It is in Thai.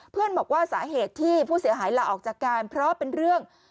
บอกว่าสาเหตุที่ผู้เสียหายลาออกจากการเพราะเป็นเรื่อง